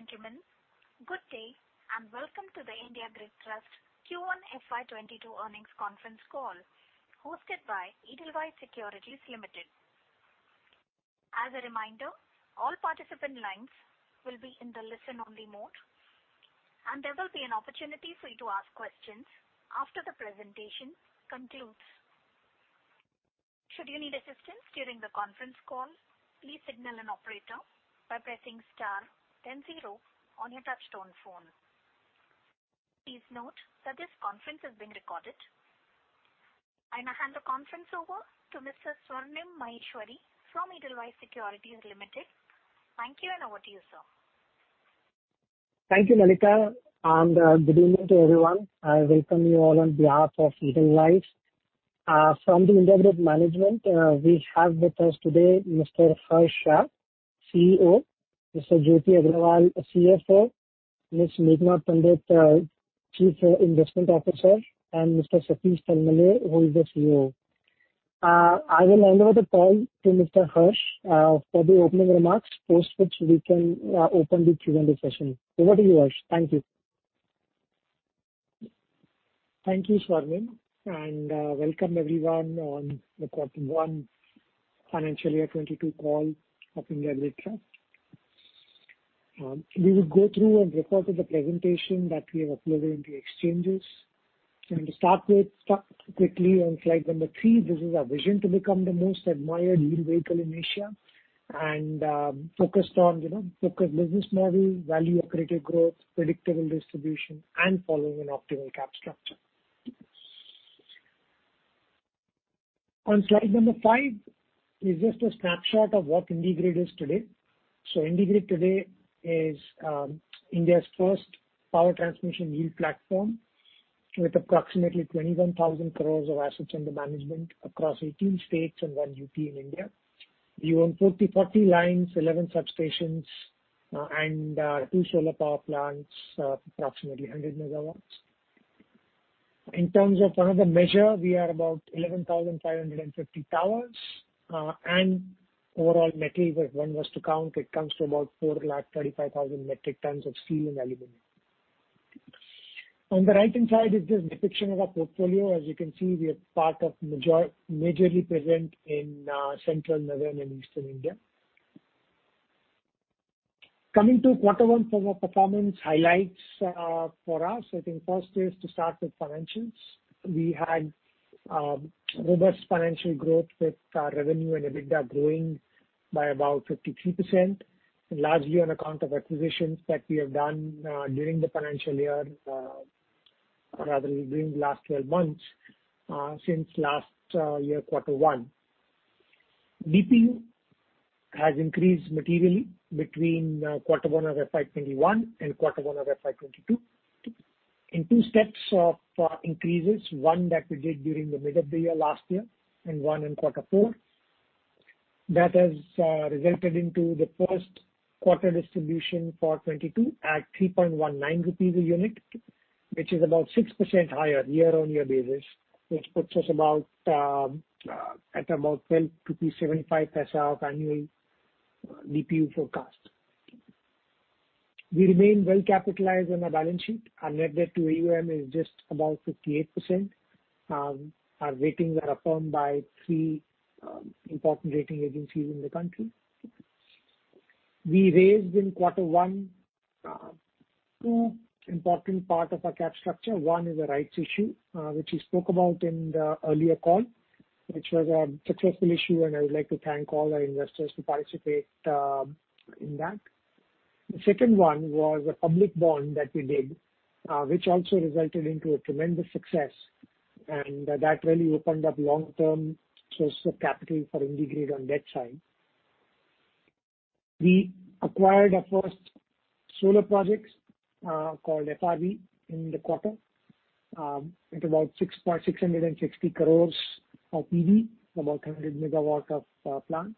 Ladies and gentlemen, good day and welcome to the IndiGrid Infrastructure Trust Q1 FY 2022 Earnings Conference call, hosted by Edelweiss Securities Limited. As a reminder, all participant lines will be in the listen only mode, and there will be an opportunity for you to ask questions after the presentation concludes. Should you need assistance during the conference call, please signal an operator by pressing star then zero on your touch-tone phone. Please note that this conference is being recorded. I now hand the conference over to Mr. Swarnim Maheshwari from Edelweiss Securities Limited. Thank you, and over to you, sir. Thank you, Mallika, and good evening to everyone. I welcome you all on behalf of Edelweiss. From the IndiGrid management, we have with us today Mr. Harsh Shah, CEO, Mr. Jyoti Agarwal, CFO, Ms. Meghana Pandit, Chief Investment Officer, and Mr. Satish Talmale, who is the COO. I will hand over the call to Mr. Harsh for the opening remarks, post which we can open the Q&A session. Over to you, Harsh. Thank you. Thank you, Swarnim, welcome, everyone, on the quarter one financial year 2022 call of IndiGrid Infrastructure Trust. We will go through and refer to the presentation that we have uploaded in the exchanges. To start with, quickly on slide number three, this is our vision to become the most admired yield vehicle in Asia, and focused on focused business model, value accretive growth, predictable distribution, and following an optimal Cap structure. On slide number five is just a snapshot of what IndiGrid is today. IndiGrid today is India's first power transmission yield platform, with approximately 21,000 crore of AUM across 18 states and 1 UT in India. We own 4,040 lines, 11 substations, and two Sterlite Power plants, approximately 100 MW. In terms of another measure, we are about 11,550 towers. Overall metal, if one was to count, it comes to about 4,35,000 metric tons of steel and aluminum. On the right-hand side is just a depiction of our portfolio. As you can see, we are majorly present in central, northern, and eastern India. Coming to quarter one for our performance highlights for us, I think first is to start with financials. We had robust financial growth with our revenue and EBITDA growing by about 53%, largely on account of acquisitions that we have done during the financial year, rather during the last 12 months, since last year, quarter one. DPU has increased materially between quarter one of FY 2021 and quarter one of FY 2022. In two steps of increases, one that we did during the middle of the year last year, and one in quarter four. That has resulted into the first quarter distribution for 2022 at 3.19 rupees a unit, which is about 6% higher year-on-year basis, which puts us at about 12.75 of annual DPU forecast. We remain well-capitalized on our balance sheet. Our net debt to AUM is just about 58%. Our ratings are affirmed by three important rating agencies in the country. We raised in quarter one, two important part of our cap structure. One is a rights issue, which we spoke about in the earlier call, which was a successful issue, and I would like to thank all our investors who participate in that. The second one was a public bond that we did, which also resulted into a tremendous success, and that really opened up long-term source of capital for IndiGrid on debt side. We acquired our first solar projects, called FRV in the quarter, at about 660 crores of PV, about 100 MW of plant.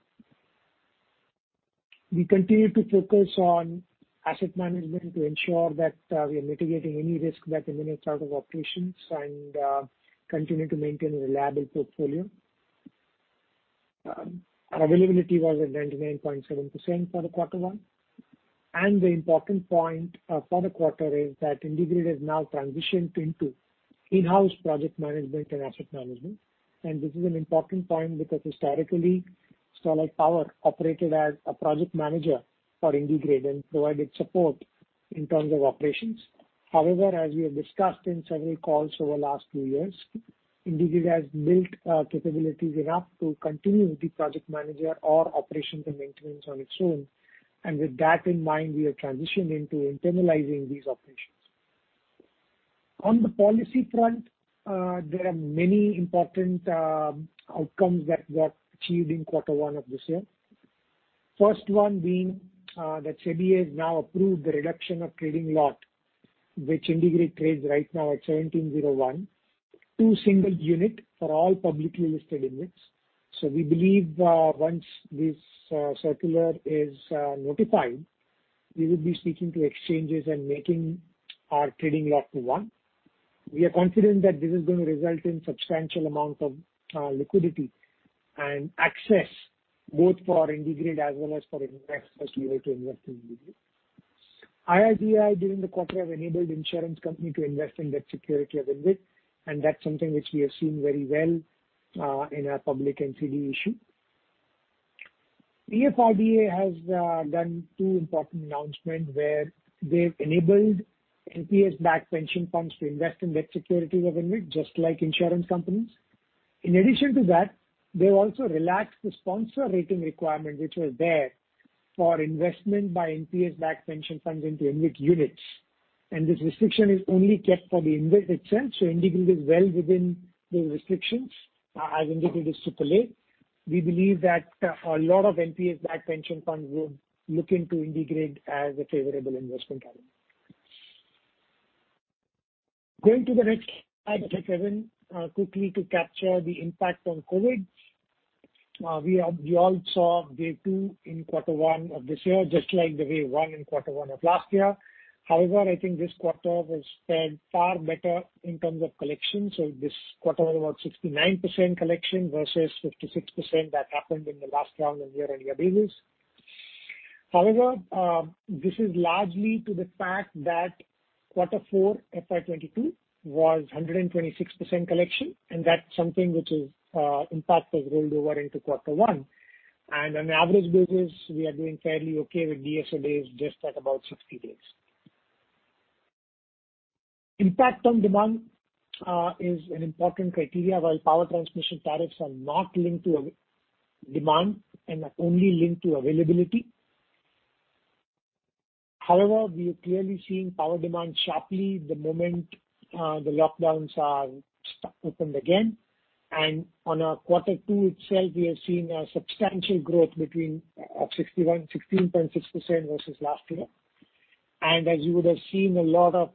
We continue to focus on asset management to ensure that we are mitigating any risk that emanates out of operations and continue to maintain a reliable portfolio. Our availability was at 99.7% for the quarter one. The important point for the quarter is that IndiGrid has now transitioned into in-house project management and asset management. This is an important point because historically, Solar Power operated as a project manager for IndiGrid and provided support in terms of operations. However, as we have discussed in several calls over the last two years, IndiGrid has built capabilities enough to continue to be project manager or operations and maintenance on its own. With that in mind, we have transitioned into internalizing these operations. On the policy front, there are many important outcomes that got achieved in Q1 of this year. First one being that SEBI has now approved the reduction of trading lot, which IndiGrid trades right now at 1,701 to one unit for all publicly listed units. We believe once this circular is notified, we will be speaking to exchanges and making our trading lot to one. We are confident that this is going to result in substantial amount of liquidity and access, both for IndiGrid as well as for investors who want to invest in IndiGrid. IRDAI, during the quarter, have enabled insurance company to invest in debt security of IndiGrid, and that's something which we have seen very well in our public NCD issue. PFRDA has done two important announcement where they've enabled NPS-backed pension funds to invest in debt securities of IndiGrid, just like insurance companies. In addition to that, they've also relaxed the sponsor rating requirement which was there for investment by NPS-backed pension funds into IndiGrid units, and this restriction is only kept for the IndiGrid itself, IndiGrid is well within those restrictions, as IndiGrid is strong credit rating. We believe that a lot of NPS-backed pension funds would look into IndiGrid as a favorable investment avenue. Going to the next slide, which is seven, quickly to capture the impact on COVID. We all saw wave two in quarter one of this year, just like the wave one in quarter one of last year. I think this quarter was far better in terms of collection. This quarter was about 69% collection versus 56% that happened in the last round a year earlier basis. This is largely to the fact that quarter four FY 2022 was 126% collection. That's something which is impact was rolled over into quarter one. On an average basis, we are doing fairly okay with DSO days just at about 60 days. Impact on demand is an important criteria, while power transmission tariffs are not linked to demand and are only linked to availability. We are clearly seeing power demand sharply the moment the lockdowns are opened again. On our quarter two itself, we have seen a substantial growth between of 16.6% versus last year. As you would have seen a lot of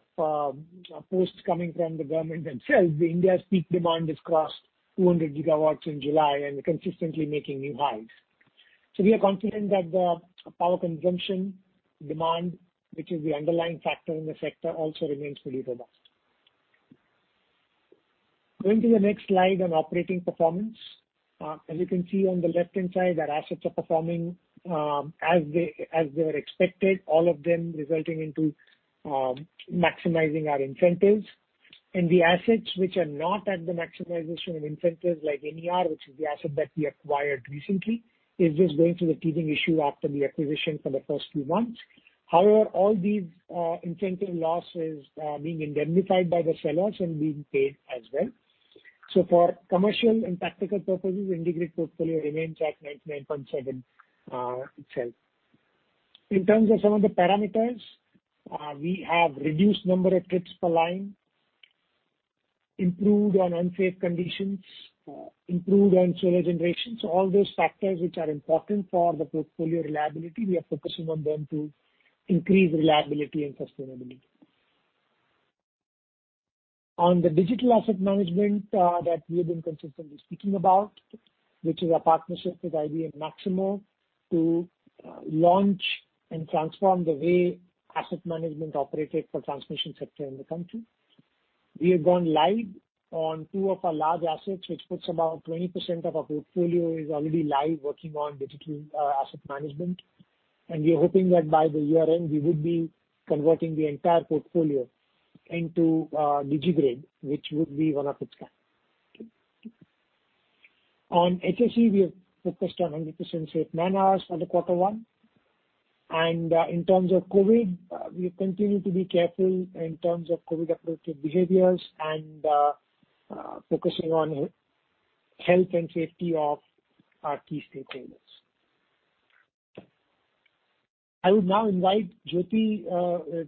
posts coming from the government themselves, India's peak demand has crossed 200 gigawatts in July and consistently making new highs. We are confident that the power consumption demand, which is the underlying factor in the sector, also remains pretty robust. Going to the next slide on operating performance. As you can see on the left-hand side, our assets are performing as they were expected, all of them resulting into maximizing our incentives. The assets which are not at the maximization of incentives, like NER, which is the asset that we acquired recently, is just going through the teething issue after the acquisition for the first few months. However, all these incentive loss is being indemnified by the sellers and being paid as well. For commercial and practical purposes, IndiGrid portfolio remains at 99.7% itself. In terms of some of the parameters, we have reduced number of trips per line, improved on unsafe conditions, improved on solar generation. All those factors which are important for the portfolio reliability, we are focusing on them to increase reliability and sustainability. On the digital asset management that we have been consistently speaking about, which is a partnership with IBM Maximo to launch and transform the way asset management operated for transmission sector in the country. We have gone live on two of our large assets, which puts about 20% of our portfolio is already live working on digital asset management. We are hoping that by the year-end, we would be converting the entire portfolio into DigiGrid, which would be one of its kind. On HSE, we have focused on 100% safe man-hours for the quarter one. In terms of COVID, we continue to be careful in terms of COVID appropriate behaviors and focusing on health and safety of our key stakeholders. I would now invite Jyoti,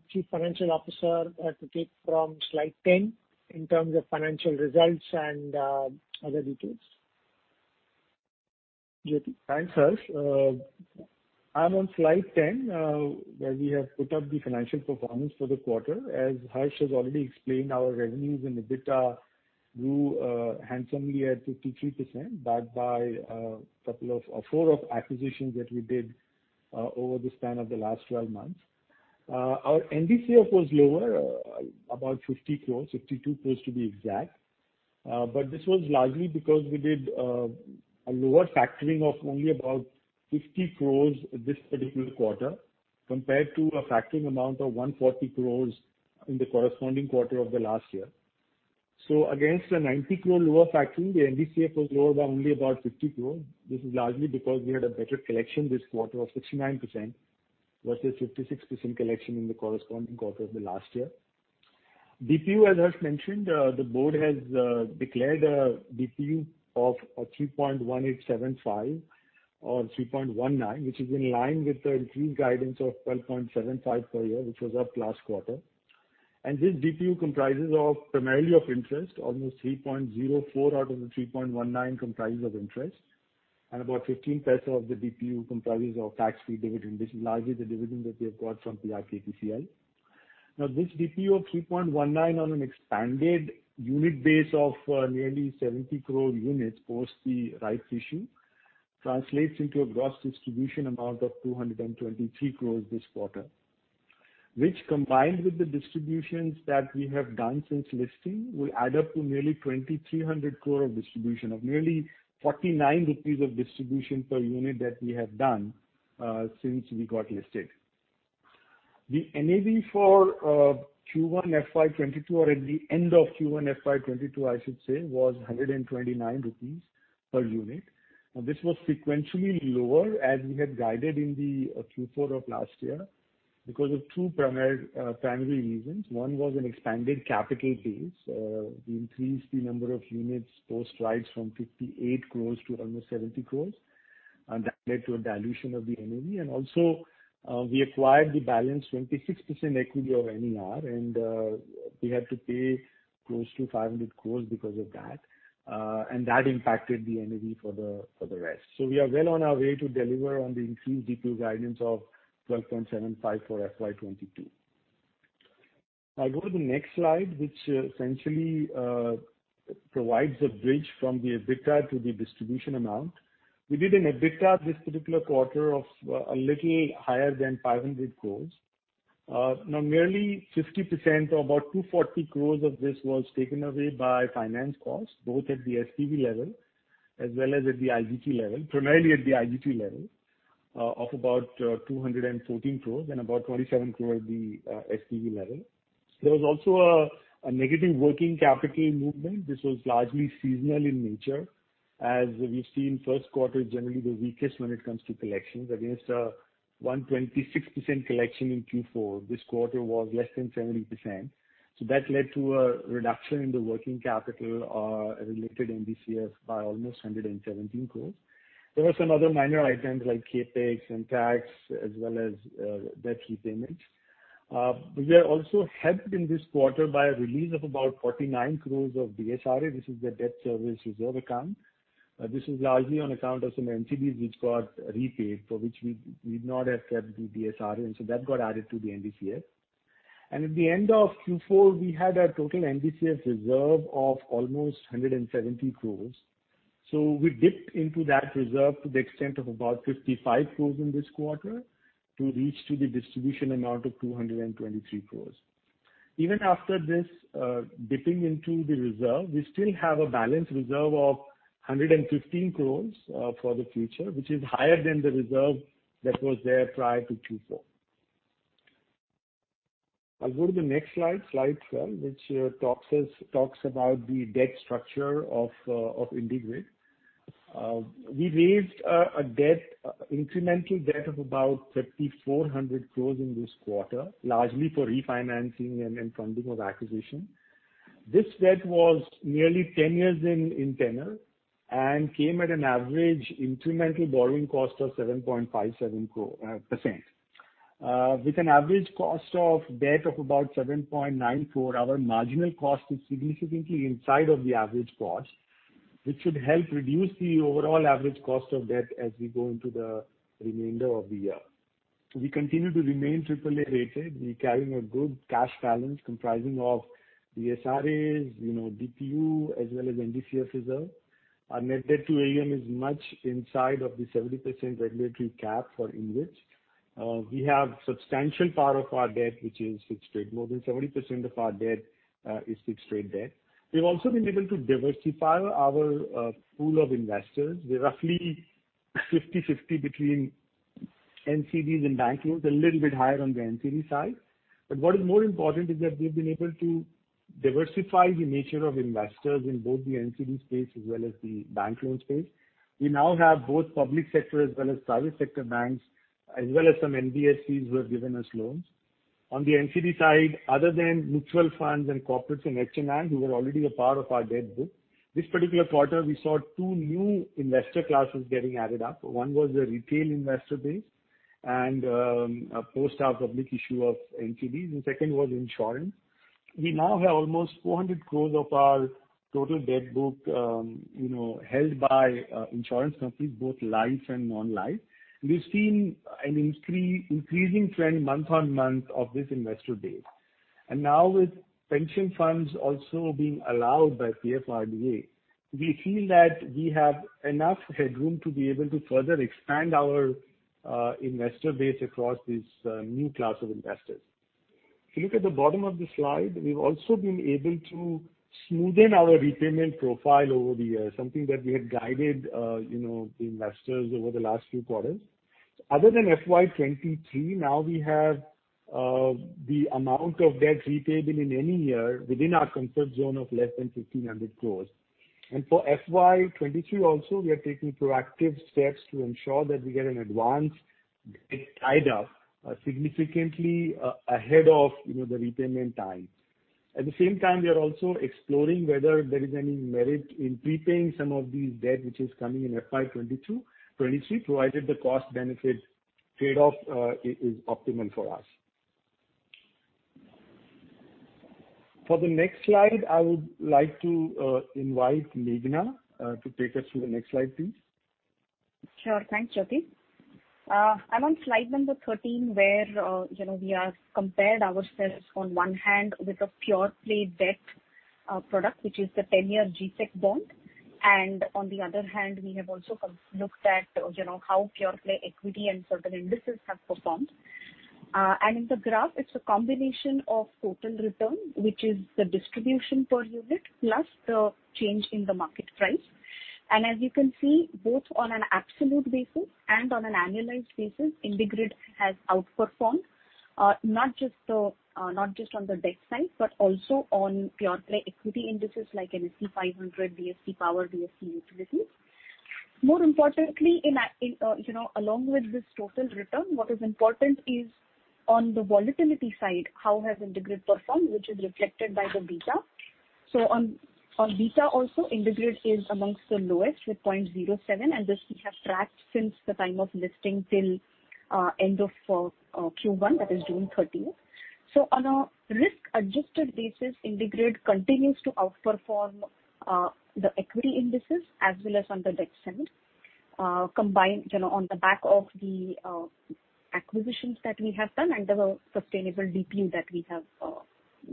Chief Financial Officer, to take from slide 10 in terms of financial results and other details. Jyoti? Thanks, Harsh. I'm on slide 10, where we have put up the financial performance for the quarter. As Harsh has already explained, our revenues and EBITDA grew handsomely at 53%, backed by four of acquisitions that we did over the span of the last 12 months. Our NDCF was lower, about 50 crores, 52 crores to be exact. This was largely because we did a lower factoring of only about 50 crores this particular quarter, compared to a factoring amount of 140 crores in the corresponding quarter of the last year. Against a 90 crore lower factoring, the NDCF was lower by only about 50 crores. This is largely because we had a better collection this quarter of 69%, versus 56% collection in the corresponding quarter of the last year. DPU, as Harsh mentioned, the board has declared a DPU of 3.1875 or 3.19, which is in line with the increased guidance of 12.75 per year, which was up last quarter. This DPU comprises of primarily of interest, almost 3.04 out of the 3.19 comprises of interest, and about INR 0.15 of the DPU comprises of tax-free dividend, which is largely the dividend that we have got from PKTCL. This DPU of 3.19 on an expanded unit base of nearly 70 crore units post the rights issue translates into a gross distribution amount of 223 crores this quarter, which combined with the distributions that we have done since listing, will add up to nearly 2,300 crore of distribution, of nearly 49 rupees of distribution per unit that we have done since we got listed. The NAV for Q1 FY 2022, or at the end of Q1 FY 2022 I should say, was 129 rupees per unit. This was sequentially lower as we had guided in the Q4 of last year because of two primary reasons. One was an expanded capital base. We increased the number of units post rights from 58 crores to almost 70 crores, and that led to a dilution of the NAV. Also, we acquired the balance 26% equity of NER and we had to pay close to 500 crores because of that. That impacted the NAV for the rest. We are well on our way to deliver on the increased DPU guidance of 12.75 for FY 2022. I'll go to the next slide, which essentially provides a bridge from the EBITDA to the distribution amount. We did an EBITDA this particular quarter of a little higher than 500 crores. Nearly 50% or about 240 crore of this was taken away by finance costs, both at the SPV level as well as at the IGT level, primarily at the IGT level, of about 214 crore and about 27 crore at the SPV level. There was also a negative working capital movement. This was largely seasonal in nature, as we've seen first quarter is generally the weakest when it comes to collections. Against a 126% collection in Q4, this quarter was less than 70%. That led to a reduction in the working capital, related NDCF by almost 117 crore. There were some other minor items like CapEx and tax as well as debt repayments. We were also helped in this quarter by a release of about 49 crore of DSRA, this is the debt service reserve account. This is largely on account of some NCDs which got repaid for which we did not have set the DSRA. That got added to the NDCF. At the end of Q4, we had our total NDCF reserve of almost 170 crore. We dipped into that reserve to the extent of about 55 crore in this quarter to reach to the distribution amount of 223 crore. Even after this dipping into the reserve, we still have a balance reserve of 115 crore for the future, which is higher than the reserve that was there prior to Q4. I'll go to the next slide 12, which talks about the debt structure of IndiGrid. We raised an incremental debt of about 3,400 crore in this quarter, largely for refinancing and funding of acquisition. This debt was nearly 10 years in tenor and came at an average incremental borrowing cost of 7.57%. With an average cost of debt of about 7.94%, our marginal cost is significantly inside of the average cost, which should help reduce the overall average cost of debt as we go into the remainder of the year. We continue to remain AAA rated. We're carrying a good cash balance comprising of DSRAs, DPU as well as NDCF reserve. Our net debt to AUM is much inside of the 70% regulatory cap for IndiGrid. We have substantial part of our debt which is fixed rate. More than 70% of our debt is fixed rate debt. We've also been able to diversify our pool of investors. We're roughly 50/50 between NCDs and bank loans, a little bit higher on the NCD side. What is more important is that we've been able to diversify the nature of investors in both the NCD space as well as the bank loan space. We now have both public sector as well as private sector banks, as well as some NBFCs who have given us loans. On the NCD side, other than mutual funds and corporates and HNI, who are already a part of our debt book, this particular quarter we saw two new investor classes getting added up. One was the retail investor base, and post our public issue of NCDs. The second was insurance. We now have almost 400 crores of our total debt book held by insurance companies, both life and non-life. We've seen an increasing trend month-on-month of this investor base. Now with pension funds also being allowed by PFRDA, we feel that we have enough headroom to be able to further expand our investor base across this new class of investors. If you look at the bottom of the slide, we've also been able to smoothen our repayment profile over the years, something that we had guided the investors over the last few quarters. Other than FY 2023, now we have the amount of debt repayment in any year within our comfort zone of less than 1,500 crores. For FY 2023 also, we are taking proactive steps to ensure that we get an advance debt tied up significantly ahead of the repayment time. At the same time, we are also exploring whether there is any merit in prepaying some of this debt, which is coming in FY 2022, FY 2023, provided the cost benefit trade-off is optimal for us. For the next slide, I would like to invite Meghana to take us through the next slide, please. Sure. Thanks, Jyoti. I'm on slide 13, where we have compared ourselves on one hand with a pure-play debt product, which is the 10-year G-Sec bond. On the other hand, we have also looked at how pure-play equity and certain indices have performed. In the graph, it's a combination of total return, which is the distribution per unit, plus the change in the market price. As you can see, both on an absolute basis and on an annualized basis, IndiGrid has outperformed, not just on the debt side, but also on pure-play equity indices like Nifty 500, BSE Power, BSE Utilities. More importantly, along with this total return, what is important is on the volatility side, how has IndiGrid performed, which is reflected by the beta. On beta also, IndiGrid is amongst the lowest with 0.07, and this we have tracked since the time of listing till end of Q1, that is June 30th. On a risk-adjusted basis, IndiGrid continues to outperform the equity indices as well as on the debt side. Combined on the back of the acquisitions that we have done and the sustainable DPU that we have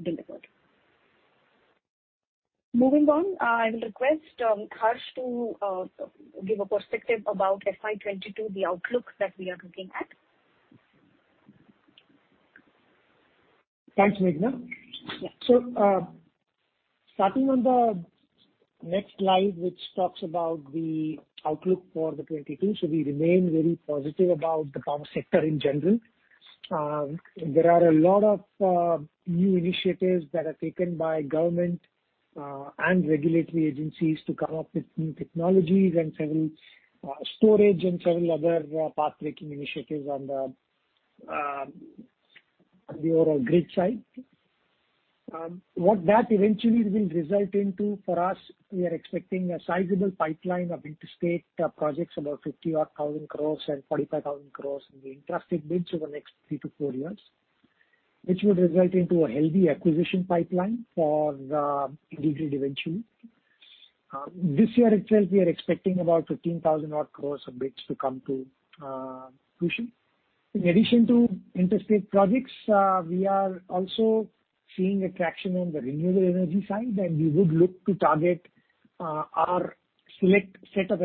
delivered. Moving on, I will request Harsh to give a perspective about FY 2022, the outlook that we are looking at. Thanks, Meghana. Yeah. Starting on the next slide, which talks about the outlook for 2022. We remain very positive about the power sector in general. There are a lot of new initiatives that are taken by government and regulatory agencies to come up with new technologies and several storage and several other pathbreaking initiatives on the overall grid side. What that eventually will result into for us, we are expecting a sizable pipeline of interstate projects, about 50,000 crores and 45,000 crores in the intrastate bids over the next three to four years, which would result into a healthy acquisition pipeline for IndiGrid eventually. This year itself, we are expecting about 15,000 odd crores of bids to come to fruition. In addition to interstate projects, we are also seeing a traction on the renewable energy side. We would look to target our select set of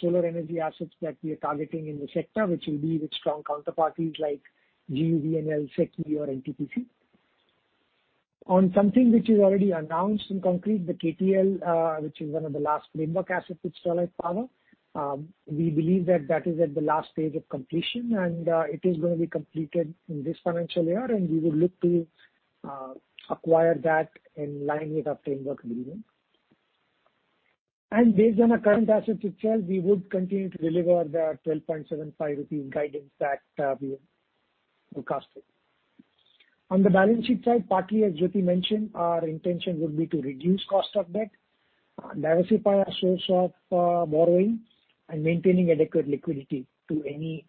solar energy assets that we are targeting in the sector, which will be with strong counterparties like GUVNL, SECI or NTPC. On something which is already announced in concrete, the KTL which is one of the last framework assets with Solar Power. We believe that is at the last stage of completion. It is going to be completed in this financial year. We would look to acquire that in line with our framework agreement. Based on our current assets itself, we would continue to deliver the 12.75 rupees guidance that we have forecasted. On the balance sheet side, partly as Jyoti Kumar Agarwal mentioned, our intention would be to reduce cost of debt, diversify our source of borrowing, and maintaining adequate liquidity to any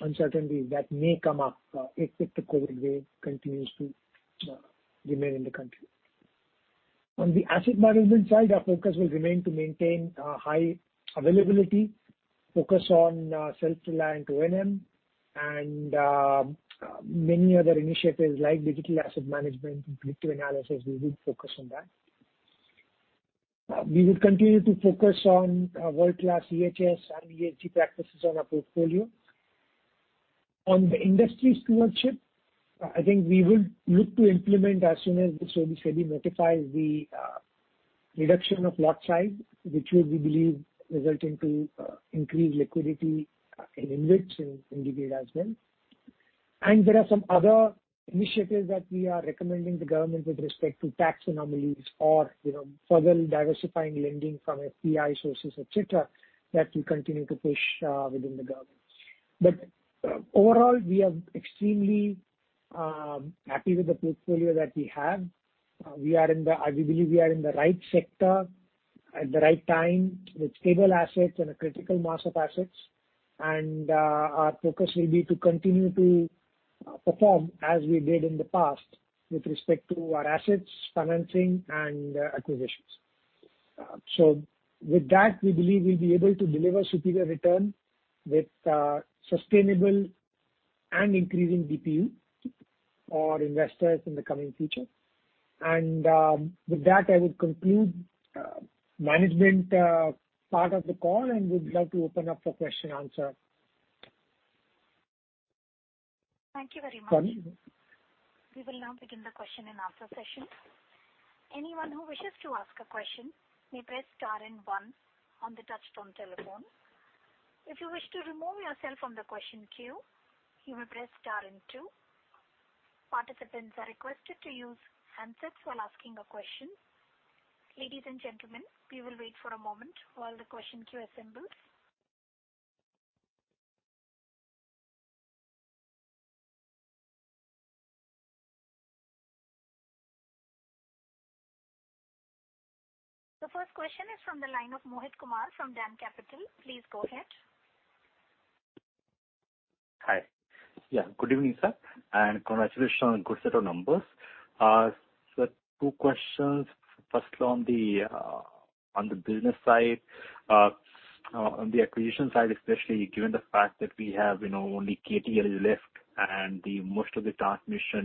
uncertainty that may come up if the COVID wave continues to remain in the country. On the asset management side, our focus will remain to maintain high availability, focus on self-reliant O&M, and many other initiatives like digital asset management and predictive analysis. We will focus on that. We will continue to focus on world-class EHS and ESG practices on our portfolio. On the industry stewardship, I think we will look to implement as soon as the SEBI notifies the reduction of lot size, which will, we believe, result into increased liquidity in InvITs and IndiGrid as well. There are some other initiatives that we are recommending the government with respect to tax anomalies or further diversifying lending from FPI sources, et cetera, that we continue to push within the government. Overall, we are extremely happy with the portfolio that we have. We believe we are in the right sector at the right time with stable assets and a critical mass of assets. Our focus will be to continue to perform as we did in the past with respect to our assets, financing and acquisitions. With that, we believe we'll be able to deliver superior return with sustainable and increasing DPU for investors in the coming future. With that, I would conclude management part of the call and would like to open up for question answer. Thank you very much. Sorry. We will now begin the question and answer session. Anyone who wishes to ask a question may press star and one on the touch-tone telephone. If you wish to remove yourself from the question queue, you may press star and two. Participants are requested to use handsets while asking a question. Ladies and gentlemen, we will wait for a moment while the question queue assembles. The first question is from the line of Mohit Kumar from DAM Capital. Please go ahead. Hi. Good evening, sir, congratulations on good set of numbers. Two questions. First, on the business side, on the acquisition side, especially given the fact that we have only KTL left and most of the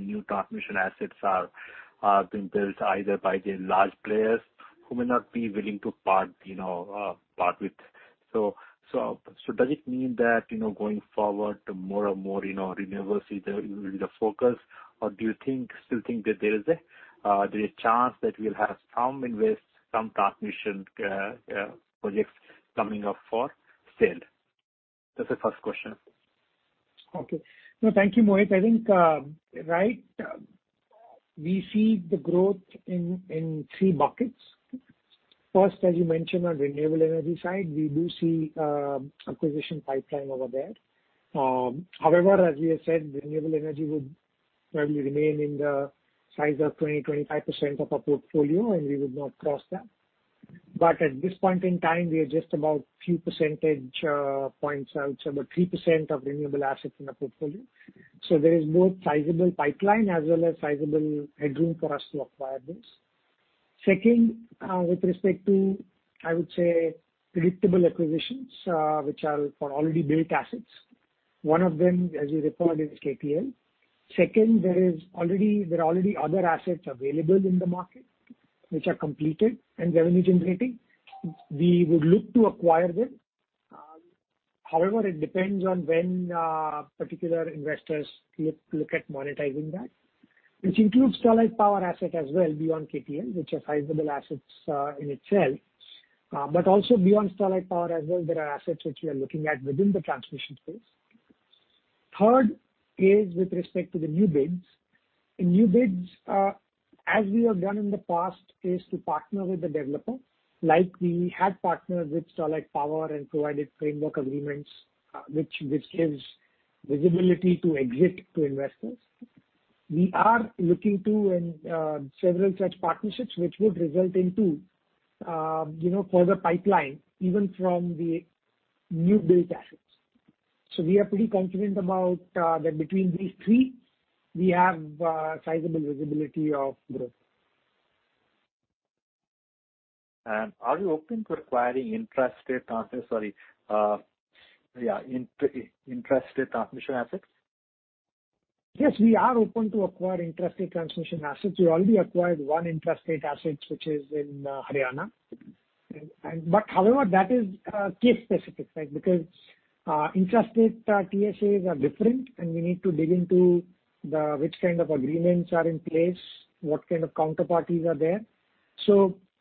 new transmission assets are being built either by the large players who may not be willing to part with. Does it mean that going forward, more and more renewables either will be the focus or do you still think that there is a chance that we'll have some transmission projects coming up for sale? That's the first question. Okay. No, thank you, Mohit. I think, right, we see the growth in three buckets. First, as you mentioned, on renewable energy side, we do see acquisition pipeline over there. As we have said, renewable energy would probably remain in the size of 20%-25% of our portfolio, we would not cross that. At this point in time, we are just about few percentage points out, about 3% of renewable assets in the portfolio. There is both sizable pipeline as well as sizable headroom for us to acquire this. Second, with respect to, I would say, predictable acquisitions, which are for already built assets. One of them, as you reported, is KTL. Second, there are already other assets available in the market which are completed and revenue generating. We would look to acquire them. However, it depends on when particular investors look at monetizing that, which includes Sterlite Power asset as well beyond KTL, which are sizable assets in itself, but also beyond Sterlite Power as well, there are assets which we are looking at within the transmission space. Third is with respect to the new bids. New bids, as we have done in the past, is to partner with the developer. Like we had partnered with Sterlite Power and provided framework agreements, which gives visibility to exit to investors. We are looking to several such partnerships which would result in further pipeline, even from the new build assets. We are pretty confident about that between these three, we have sizable visibility of growth. Are you open to acquiring intrastate transmission assets? Yes, we are open to acquire intrastate transmission assets. We already acquired 1 intrastate asset, which is in Haryana. However, that is case specific, because intrastate TSAs are different, and we need to dig into which kind of agreements are in place, what kind of counterparties are there.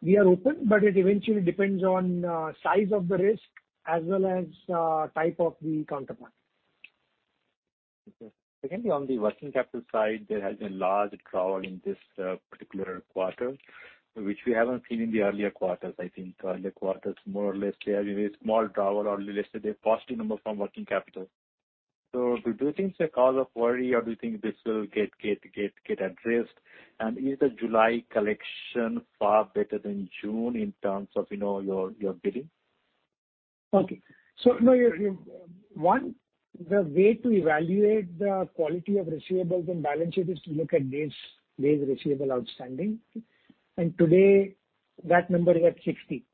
We are open, but it eventually depends on size of the risk as well as type of the counterparty. Secondly, on the working capital side, there has been large draw in this particular quarter, which we haven't seen in the earlier quarters, I think. Earlier quarters, more or less, they have a very small draw or listed a positive number from working capital. Do you think it's a cause of worry or do you think this will get addressed? Is the July collection far better than June in terms of your billing? The way to evaluate the quality of receivables and balance sheet is to look at days receivable outstanding. Today that number is at 60.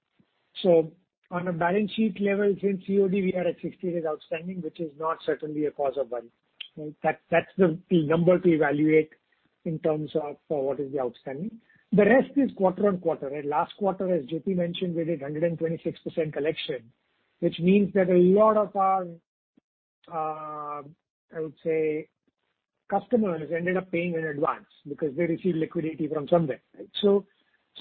On a balance sheet level, since COD, we are at 60 days outstanding, which is not certainly a cause of worry. That's the number to evaluate in terms of what is the outstanding. The rest is quarter-on-quarter. Last quarter, as Jyoti mentioned, we did 126% collection, which means that a lot of our, I would say, customers ended up paying in advance because they received liquidity from somewhere.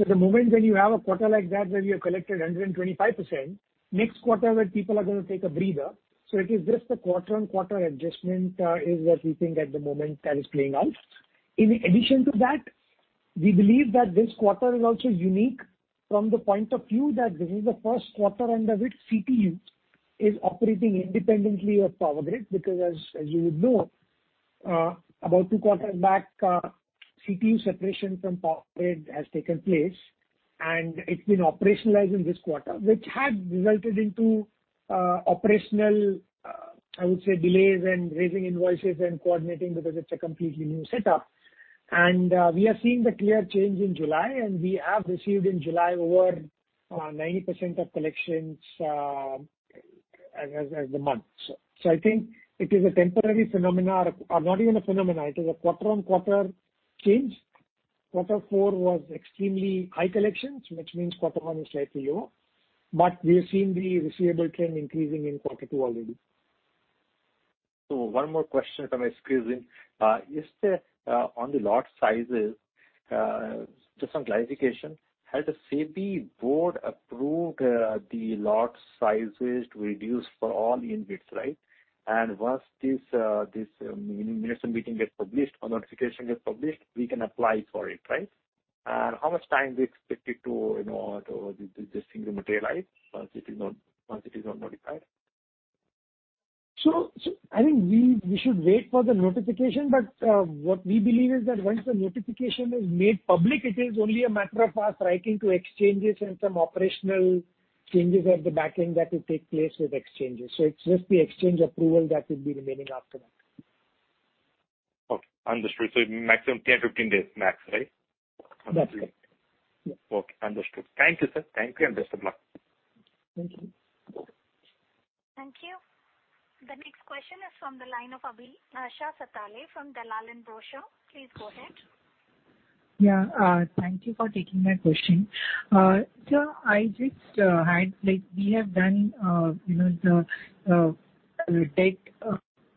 The moment when you have a quarter like that where you have collected 125%, next quarter where people are going to take a breather. It is just a quarter-on-quarter adjustment is what we think at the moment that is playing out. In addition to that, we believe that this quarter is also unique from the point of view that this is the first quarter under which CTU is operating independently of Power Grid. As you would know, about two quarters back, CTU separation from Power Grid has taken place, and it's been operationalized in this quarter, which had resulted into operational, I would say, delays in raising invoices and coordinating because it's a completely new setup. We are seeing the clear change in July, and we have received in July over 90% of collections as the month. I think it is a temporary phenomenon, or not even a phenomenon, it is a quarter-on-quarter change. Quarter four was extremely high collections, which means quarter one is slightly low. We have seen the receivable trend increasing in quarter two already. One more question if I may squeeze in. On the lot sizes, just some clarification. Has the SEBI board approved the lot sizes to reduce for all InvITs, right? Once this meeting gets published or notification gets published, we can apply for it, right? How much time do you expect it to distinctly materialize once it is not notified? I think we should wait for the notification, but what we believe is that once the notification is made public, it is only a matter of us writing to exchanges and some operational changes at the back end that will take place with exchanges. It's just the exchange approval that will be remaining after that. Okay, understood. Maximum 10, 15 days max, right? That's right. Okay, understood. Thank you, sir. Thank you and best of luck. Thank you. Thank you. The next question is from the line of Abhilasha Satale from Dalal & Broacha. Please go ahead. Yeah. Thank you for taking my question. Sir, we have done the debt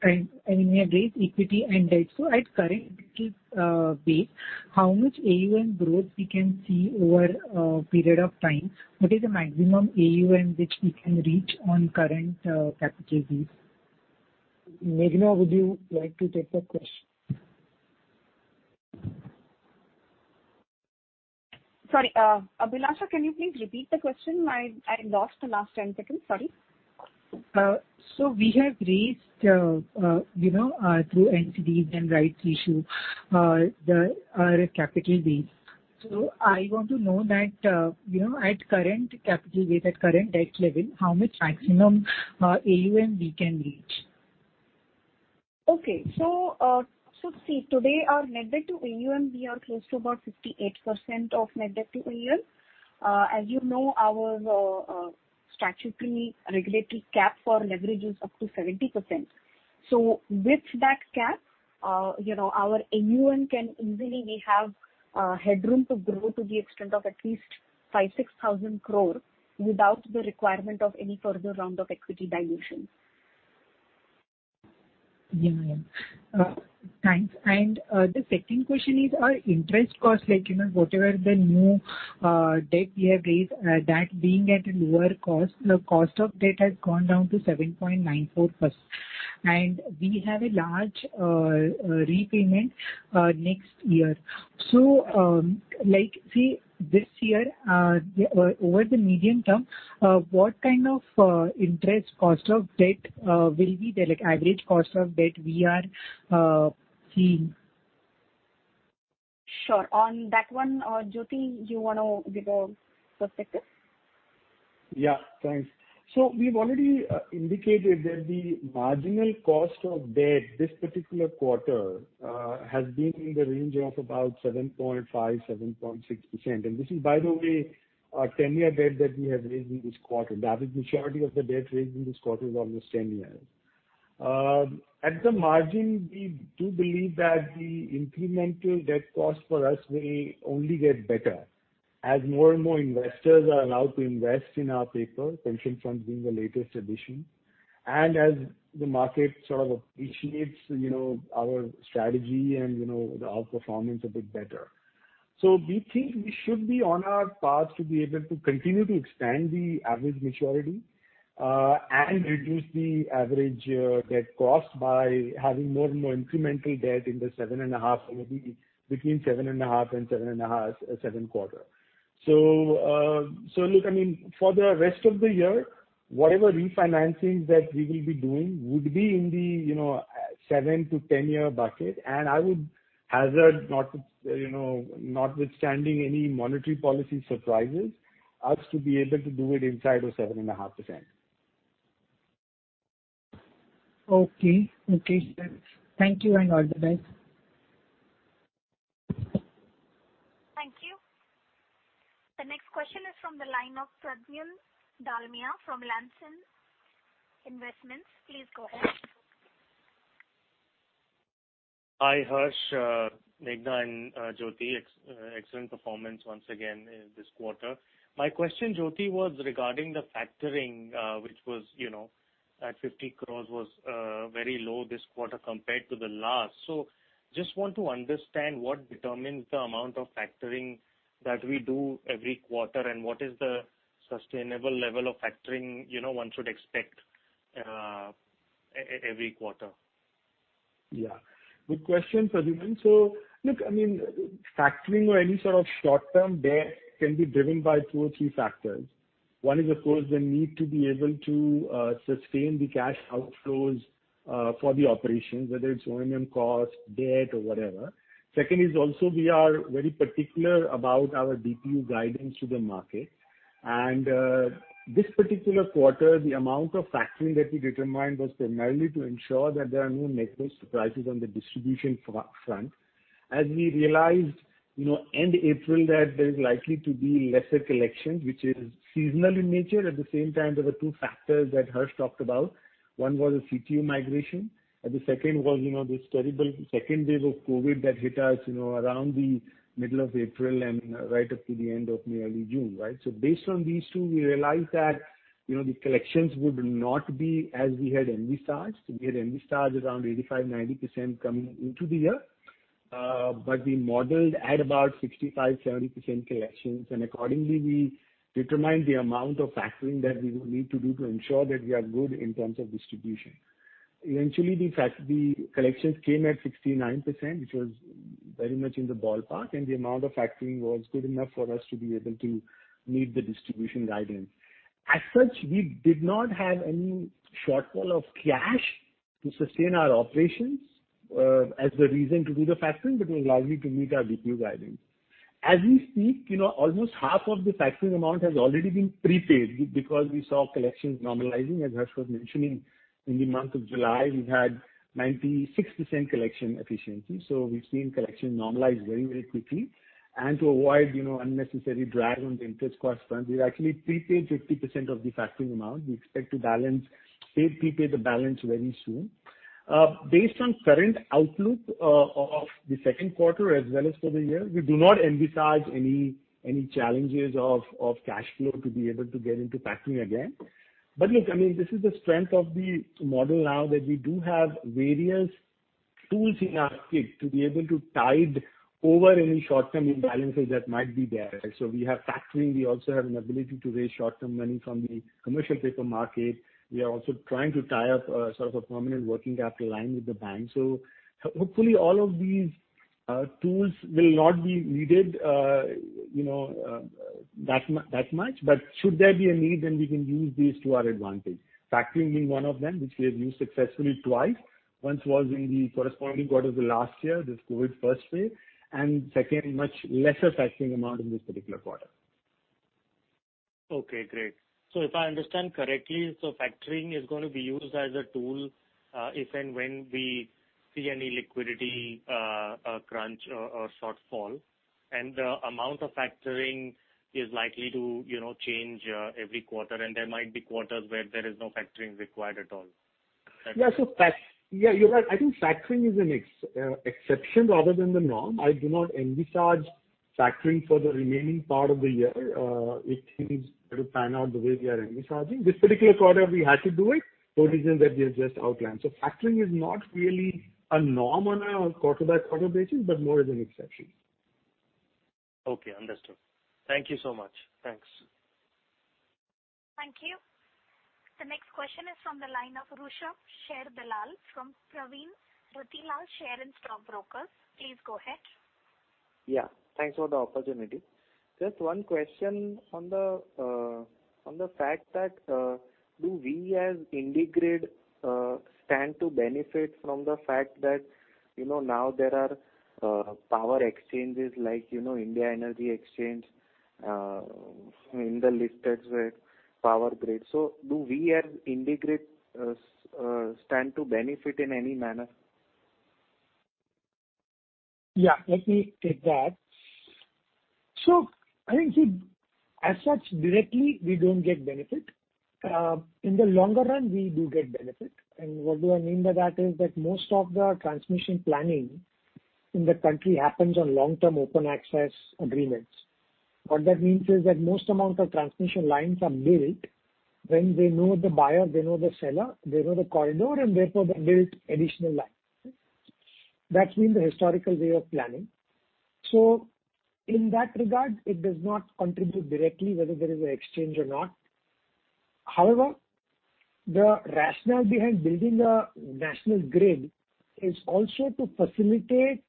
and we have raised equity and debt. At current base, how much AUM growth we can see over a period of time? What is the maximum AUM which we can reach on current capacities? Meghana, would you like to take the question? Sorry, Abhilasha, can you please repeat the question? I lost the last 10 seconds. Sorry. We have raised through NCDs and rights issue our capital base. I want to know that at current capital base, at current debt level, how much maximum AUM we can reach? Okay. See, today our net debt to AUM, we are close to about 58% of net debt to AUM. As you know, our statutory regulatory cap for leverage is up to 70%. With that cap, our AUM can easily may have headroom to grow to the extent of at least 5,000- 6,000 crore without the requirement of any further round of equity dilution. Yeah. Thanks. The second question is our interest cost, whatever the new debt we have raised, that being at a lower cost. The cost of debt has gone down to 7.94%. We have a large repayment next year. This year, over the medium term, what kind of interest cost of debt will be there, like average cost of debt we are seeing? Sure. On that one, Jyoti, you want to give a perspective? Thanks. We've already indicated that the marginal cost of debt this particular quarter has been in the range of about 7.5%, 7.6%. This is, by the way, our 10-year debt that we have raised in this quarter. The average maturity of the debt raised in this quarter is almost 10 years. At the margin, we do believe that the incremental debt cost for us may only get better as more and more investors are allowed to invest in our paper, pension funds being the latest addition. As the market sort of appreciates our strategy and our performance a bit better. We think we should be on our path to be able to continue to expand the average maturity and reduce the average debt cost by having more and more incremental debt in the 7.5%, maybe between 7.5% and 7.25%. Look, I mean, for the rest of the year, whatever refinancings that we will be doing would be in the seven to 10-year bucket, and I would hazard, notwithstanding any monetary policy surprises, us to be able to do it inside of 7.5%. Okay. Thank you and all the best. Thank you. The next question is from the line of Pradyumna Dalmia from Lansdowne Investments. Please go ahead. Hi, Harsh Shah, Meghana Pandit and Jyoti Agarwal. Excellent performance once again this quarter. My question, Jyoti Agarwal, was regarding the factoring, which was at 50 crores was very low this quarter compared to the last. I just want to understand what determines the amount of factoring that we do every quarter, and what is the sustainable level of factoring one should expect every quarter? Yeah. Good question, Pradyumna. Look, I mean, factoring or any sort of short-term debt can be driven by two or three factors. One is, of course, the need to be able to sustain the cash outflows for the operations, whether it's O&M cost, debt, or whatever. Second is also we are very particular about our DPU guidance to the market. This particular quarter, the amount of factoring that we determined was primarily to ensure that there are no negative surprises on the distribution front. As we realized end April that there is likely to be lesser collection, which is seasonal in nature. At the same time, there were two factors that Harsh talked about. One was the CTU migration, and the second was this terrible second wave of COVID that hit us around the middle of April and right up to the end of nearly June, right? Based on these two, we realized that the collections would not be as we had envisaged. We had envisaged around 85%-90% coming into the year. We modeled at about 65%-70% collections, and accordingly, we determined the amount of factoring that we would need to do to ensure that we are good in terms of distribution. Eventually, the collections came at 69%, which was very much in the ballpark, and the amount of factoring was good enough for us to be able to meet the distribution guidance. As such, we did not have any shortfall of cash to sustain our operations as the reason to do the factoring, but it allowed me to meet our Q2 guidance. As we speak, almost half of the factoring amount has already been prepaid because we saw collections normalizing, as Harsh was mentioning. In the month of July, we had 96% collection efficiency. We've seen collection normalize very quickly. To avoid unnecessary drag on the interest cost front, we've actually prepaid 50% of the factoring amount. We expect to prepay the balance very soon. Based on current outlook of the second quarter as well as for the year, we do not envisage any challenges of cash flow to be able to get into factoring again. Look, this is the strength of the model now that we do have various tools in our kit to be able to tide over any short-term imbalances that might be there. We have factoring. We also have an ability to raise short-term money from the commercial paper market. We are also trying to tie up a sort of a permanent working capital line with the bank. Hopefully all of these tools will not be needed that much, but should there be a need, then we can use these to our advantage. Factoring being one of them, which we have used successfully twice. Once was in the corresponding quarter of the last year, this COVID first phase, and second, much lesser factoring amount in this particular quarter. Okay, great. If I understand correctly, so factoring is going to be used as a tool if and when we see any liquidity crunch or shortfall, and the amount of factoring is likely to change every quarter, and there might be quarters where there is no factoring required at all. Yeah, you're right. I think factoring is an exception rather than the norm. I do not envisage factoring for the remaining part of the year. It seems to pan out the way we are envisaging. This particular quarter, we had to do it for reasons that we have just outlined. Factoring is not really a norm on a quarter-by-quarter basis, but more as an exception. Okay, understood. Thank you so much. Thanks. Thank you. The next question is from the line of Rushabh Shar from Pravin Ratilal Share and Stock Brokers. Please go ahead. Thanks for the opportunity. Just one question on the fact that do we as IndiGrid stand to benefit from the fact that now there are power exchanges like Indian Energy Exchange in the listed Power Grid. Do we as IndiGrid stand to benefit in any manner? Yeah, let me take that. I think as such, directly, we don't get benefit. What do I mean by that is that most of the transmission planning in the country happens on long-term open access agreements. What that means is that most amount of transmission lines are built when they know the buyer, they know the seller, they know the corridor, and therefore they build additional lines. That's been the historical way of planning. In that regard, it does not contribute directly whether there is an exchange or not. The rationale behind building a national grid is also to facilitate,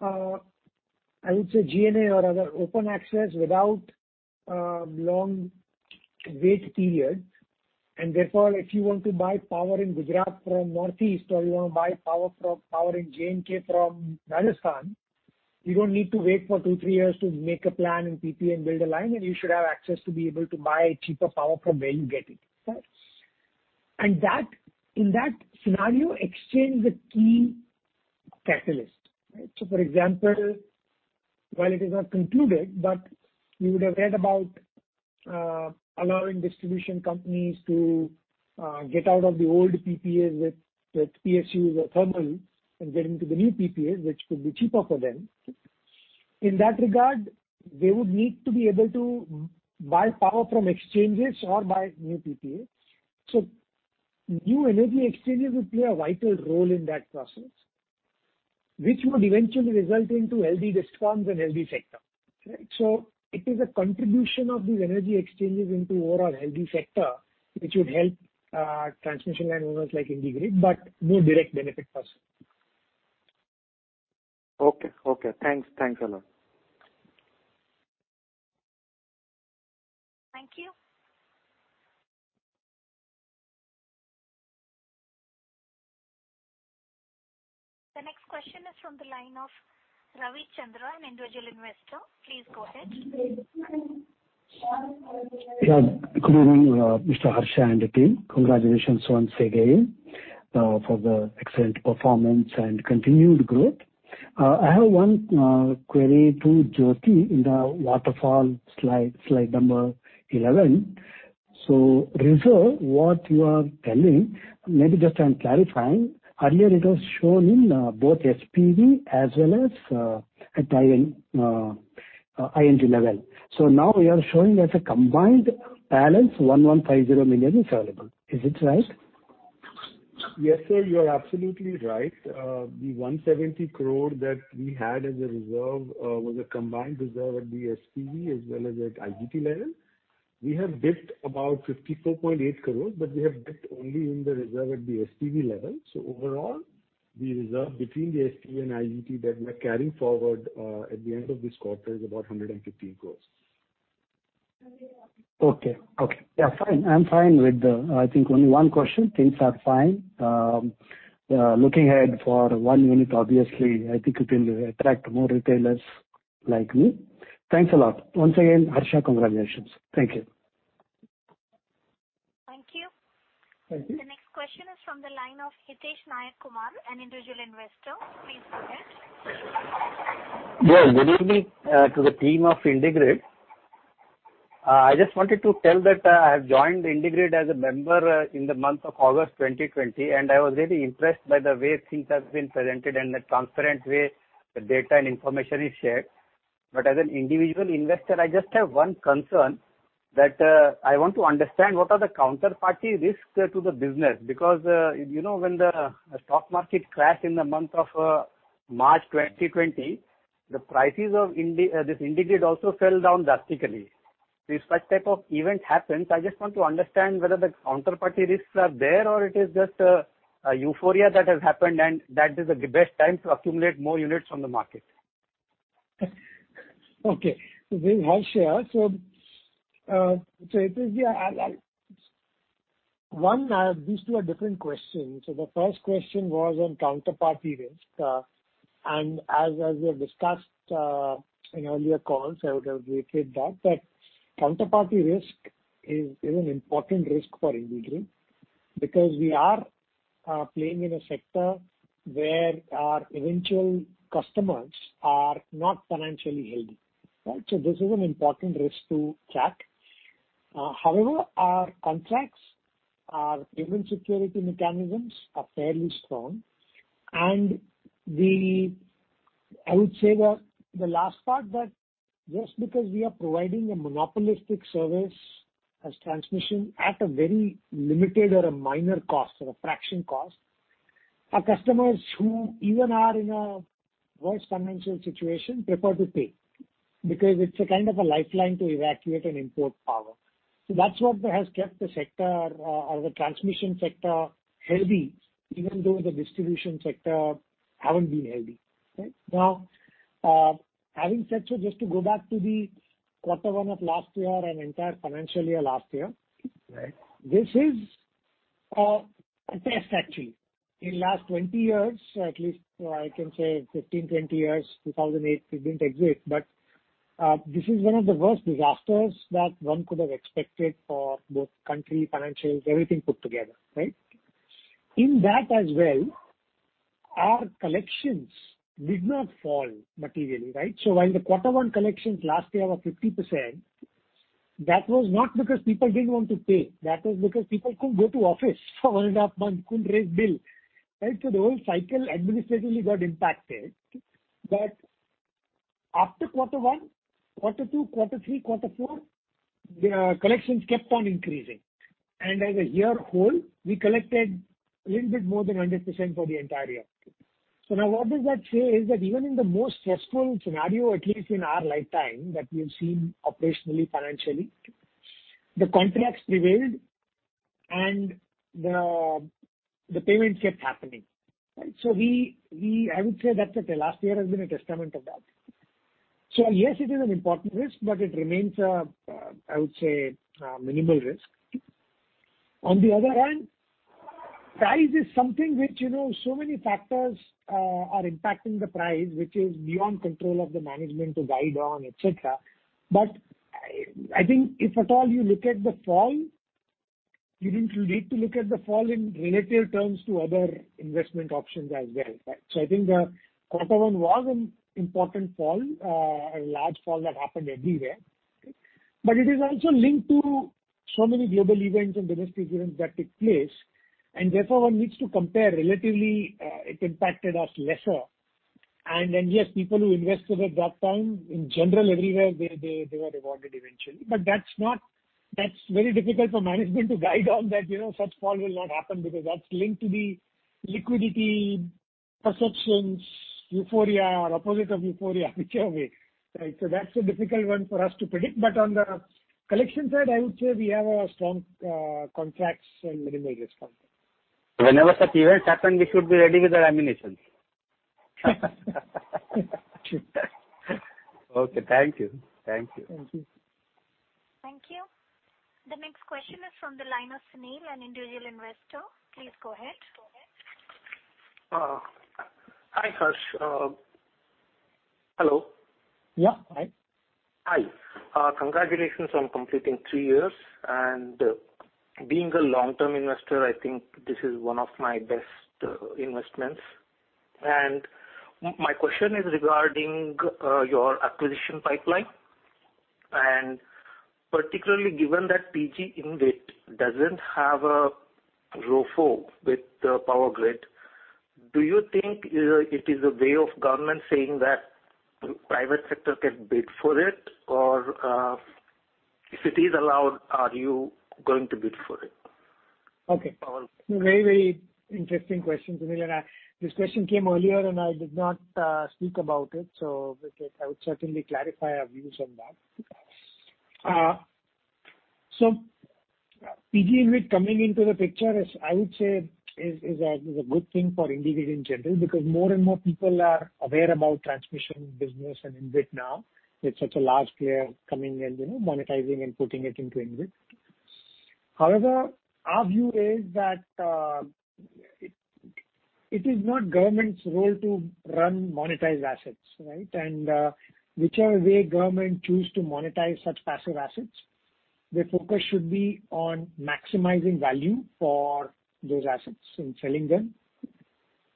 I would say GNA or other open access without long wait periods. Therefore, if you want to buy power in Gujarat from Northeast, or you want to buy power in J.&K. from Rajasthan, you don't need to wait for two, three years to make a plan and PPA and build a line, and you should have access to be able to buy cheaper power from where you get it. In that scenario, exchange is a key catalyst. For example, while it is not concluded, but you would have read about allowing distribution companies to get out of the old PPAs with PSUs or thermals and get into the new PPAs, which could be cheaper for them. In that regard, they would need to be able to buy power from exchanges or buy new PPAs. New energy exchanges would play a vital role in that process, which would eventually result into healthy discoms and healthy sector. It is a contribution of these energy exchanges into overall healthy sector, which would help transmission line owners like IndiGrid, but no direct benefit per se. Okay. Thanks a lot. Thank you. The next question is from the line of Ravi Chandra, an individual investor. Please go ahead. Good evening, Mr. Harsh and the team. Congratulations once again for the excellent performance and continued growth. I have one query to Jyoti in the waterfall slide number 11. Reserve, what you are telling, maybe just I'm clarifying. Earlier it was shown in both SPV as well as at IGT level. Now we are showing as a combined balance, 1,150 million is available. Is it right? Yes, sir, you are absolutely right. The 170 crore that we had as a reserve was a combined reserve at the SPV as well as at IGT level. We have dipped about 54.8 crores, but we have dipped only in the reserve at the SPV level. Overall, the reserve between the SPV and IGT that we are carrying forward at the end of this quarter is about 115 crores. Okay. Yeah, fine. I'm fine with, I think only one question. Things are fine. Looking ahead for one unit, obviously, I think it will attract more retailers like me. Thanks a lot. Once again, Harsh, congratulations. Thank you. Thank you. Thank you. The next question is from the line of Hitesh Nayak Kumar, an individual investor. Please go ahead. Yes. Good evening to the team of IndiGrid. I just wanted to tell that I have joined IndiGrid as a member in the month of August 2020, and I was really impressed by the way things have been presented and the transparent way the data and information is shared. As an individual investor, I just have one concern that I want to understand what are the counterparty risks to the business. When the stock market crashed in the month of March 2020, the prices of this IndiGrid also fell down drastically. If such type of event happens, I just want to understand whether the counterparty risks are there or it is just a euphoria that has happened, and that is the best time to accumulate more units from the market. Okay. This is Harsh Shah. These two are different questions. The first question was on counterparty risk. As we have discussed in earlier calls, I would have repeated that counterparty risk is an important risk for IndiGrid because we are playing in a sector where our eventual customers are not financially healthy. This is an important risk to track. However, our contracts, our different security mechanisms are fairly strong. I would say that the last part that just because we are providing a monopolistic service as transmission at a very limited or a minor cost or a fraction cost, our customers who even are in a worse financial situation prefer to pay, because it's a kind of a lifeline to evacuate and import power. That's what has kept the sector or the transmission sector healthy even though the distribution sector haven't been healthy. having said so, just to go back to the quarter one of last year and entire financial year last year. Right. This is a test, actually. In last 20 years, at least I can say 15, 20 years, 2008, it didn't exist, this is one of the worst disasters that one could have expected for both country, financials, everything put together, right? In that as well, our collections did not fall materially. While the quarter one collections last year were 50%, that was not because people didn't want to pay, that was because people couldn't go to office for one and a half months, couldn't raise bill. The whole cycle administratively got impacted. After quarter one, quarter two, quarter three, quarter four, the collections kept on increasing. As a year whole, we collected a little bit more than 100% for the entire year. Now what does that say is that even in the most stressful scenario, at least in our lifetime, that we have seen operationally, financially, the contracts prevailed and the payments kept happening. I would say that the last year has been a testament of that. Yes, it is an important risk, but it remains, I would say, a minimal risk. On the other hand, price is something which so many factors are impacting the price, which is beyond control of the management to guide on, et cetera. I think if at all you look at the fall, you need to look at the fall in relative terms to other investment options as well. I think quarter one was an important fall, a large fall that happened everywhere. It is also linked to so many global events and domestic events that took place, and therefore one needs to compare relatively, it impacted us lesser. Yes, people who invested at that time, in general everywhere, they were rewarded eventually. That's very difficult for management to guide on that such fall will not happen because that's linked to the liquidity perceptions, euphoria or opposite of euphoria, whichever way. That's a difficult one for us to predict. On the collection side, I would say we have a strong contracts and minimal risk on that. Whenever such events happen, we should be ready with the ammunition. Okay. Thank you. Thank you. Thank you. The next question is from the line of Sunil, an individual investor. Please go ahead. Hi, Harsh. Hello. Yeah. Hi. Hi. Congratulations on completing three years. Being a long-term investor, I think this is one of my best investments. My question is regarding your acquisition pipeline, particularly given that PG InvIT doesn't have a RFO with the Power Grid, do you think it is a way of government saying that private sector can bid for it? If it is allowed, are you going to bid for it? Very interesting question, Sunil. This question came earlier and I did not speak about it, so I would certainly clarify our views on that. PG InvIT coming into the picture, I would say, is a good thing for IndiGrid in general, because more and more people are aware about transmission business and InvIT now. It's such a large player coming and monetizing and putting it into InvIT. However, our view is that it is not government's role to run monetized assets, right? Whichever way government choose to monetize such passive assets, their focus should be on maximizing value for those assets in selling them.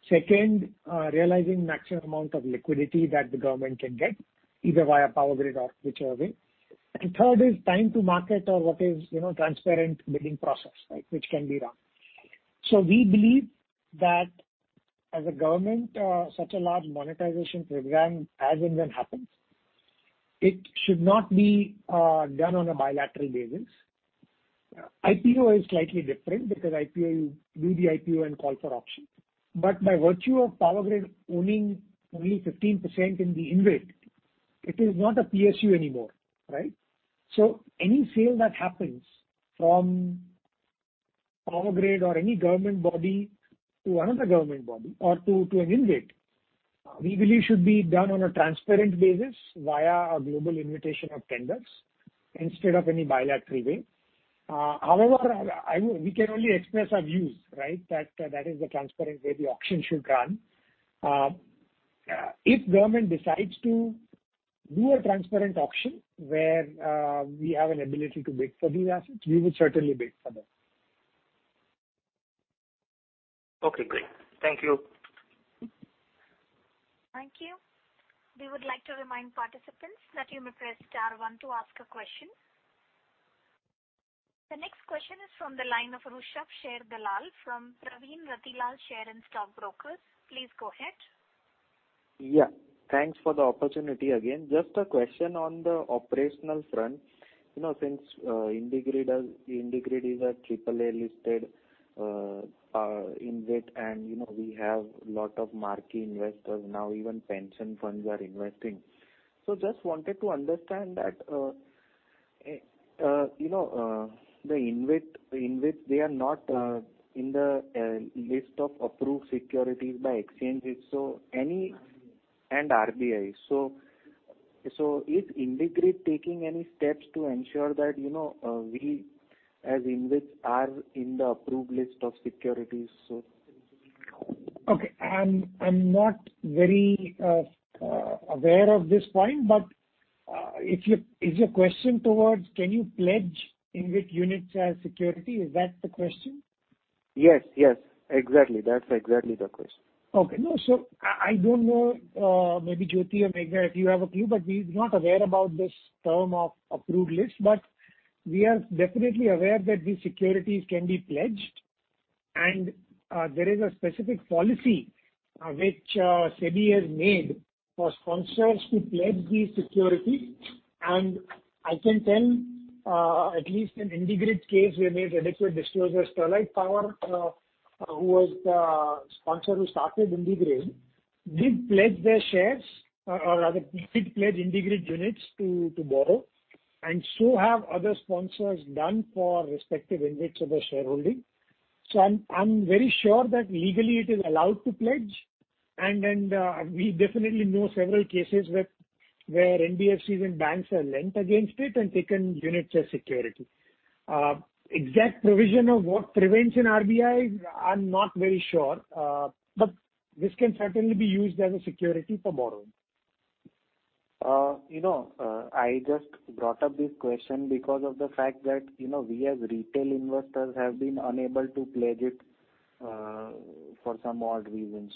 Second, realizing maximum amount of liquidity that the government can get, either via Power Grid or whichever way. Third is time to market or what is transparent bidding process, right, which can be run. We believe that as a government, such a large monetization program, as and when happens, it should not be done on a bilateral basis. IPO is slightly different because IPO, you do the IPO and call for auction. By virtue of Power Grid owning only 15% in the InvIT, it is not a PSU anymore, right? Any sale that happens from Power Grid or any government body to another government body or to an InvIT, we believe should be done on a transparent basis via a global invitation of tenders instead of any bilateral way. However, we can only express our views, right? That is the transparent way the auction should run. If government decides to do a transparent auction where we have an ability to bid for these assets, we will certainly bid for them. Okay, great. Thank you. Thank you. We would like to remind participants that you may press star one to ask a question. The next question is from the line of Rushabh Dalal from Pravin Ratilal Share and Stock Brokers. Please go ahead. Yeah, thanks for the opportunity again. Just a question on the operational front. Since IndiGrid is a AAA listed InvIT, and we have lot of marquee investors now, even pension funds are investing. Just wanted to understand that the InvIT, they are not in the list of approved securities by exchanges and RBI. Is IndiGrid taking any steps to ensure that we as InvIT are in the approved list of securities soon? Okay. I'm not very aware of this point. Is your question towards can you pledge InvIT units as security? Is that the question? Yes, exactly. That's exactly the question. No, I don't know, maybe Jyoti or Meghana if you have a clue, but we're not aware about this term of approved list, but we are definitely aware that these securities can be pledged, and there is a specific policy which SEBI has made for sponsors to pledge these securities. I can tell, at least in IndiGrid case, we have made adequate disclosures. Sterlite Power, who was the sponsor who started IndiGrid, did pledge their shares or rather did pledge IndiGrid units to borrow, and so have other sponsors done for respective InvITs of their shareholding. I'm very sure that legally it is allowed to pledge, and we definitely know several cases where NBFCs and banks have lent against it and taken units as security. Exact provision of what prevents in RBI, I'm not very sure. This can certainly be used as a security for borrowing. I just brought up this question because of the fact that we as retail investors have been unable to pledge it for some odd reason.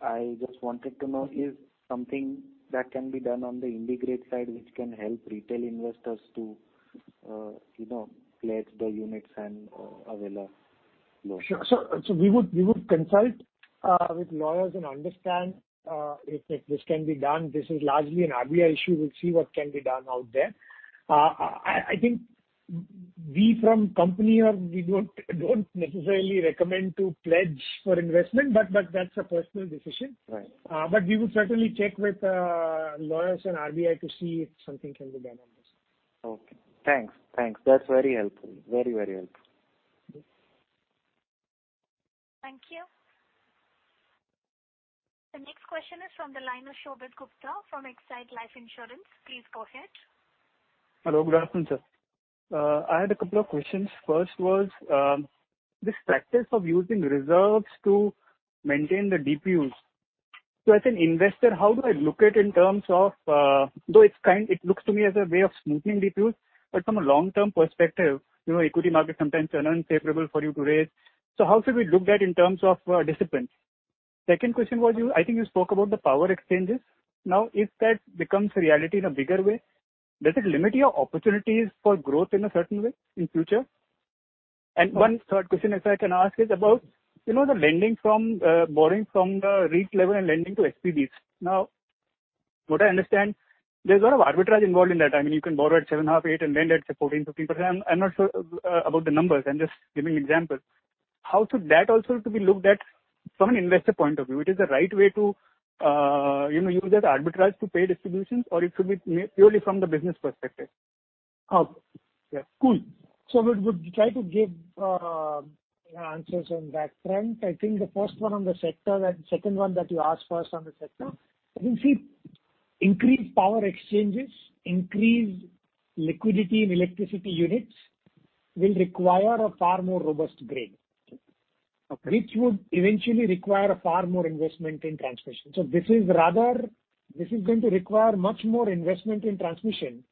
I just wanted to know if something that can be done on the IndiGrid side which can help retail investors to pledge the units and avail a loan. Sure. We would consult with lawyers and understand if this can be done. This is largely an RBI issue. We'll see what can be done out there. I think we from company, we don't necessarily recommend to pledge for investment, but that's a personal decision. Right. We would certainly check with lawyers and RBI to see if something can be done on this. Okay, thanks. That's very helpful. Very helpful. Thank you. The next question is from the line of Shobit Gupta from Exide Life Insurance. Please go ahead. Hello. Good afternoon, sir. I had a couple of questions. First was, this practice of using reserves to maintain the DPUs. As an investor, how do I look at in terms of, though it looks to me as a way of smoothening DPUs, but from a long-term perspective, equity market sometimes are unfavorable for you to raise. How should we look that in terms of discipline? Second question was, I think you spoke about the power exchanges. If that becomes a reality in a bigger way, does it limit your opportunities for growth in a certain way in future? One third question, if I can ask, is about the borrowing from the InvIT level and lending to SPVs. What I understand, there's a lot of arbitrage involved in that. I mean, you can borrow at 7.5%, 8% and lend at 14%, 15%. I'm not sure about the numbers, I'm just giving examples. How should that also to be looked at from an investor point of view? It is the right way to use that arbitrage to pay distributions, or it should be purely from the business perspective? Okay. Yeah. Cool. We would try to give answers on that front. I think the first one on the sector and second one that you asked first on the sector, I think increased power exchanges, increased liquidity in electricity units will require a far more robust grid. Okay. Which would eventually require a far more investment in transmission. This is going to require much more investment in transmission